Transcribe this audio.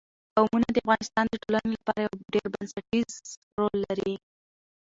قومونه د افغانستان د ټولنې لپاره یو ډېر بنسټيز رول لري.